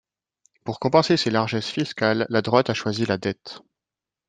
Pour compenser ses largesses fiscales, la droite a choisi la dette.